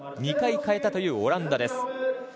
２回変えたというオランダです。